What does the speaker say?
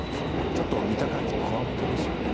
ちょっと見た感じこわもてですよね。